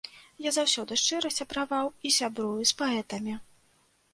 Я заўсёды шчыра сябраваў і сябрую з паэтамі.